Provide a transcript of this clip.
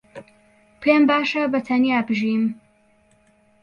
پێم باشە بەتەنیا بژیم.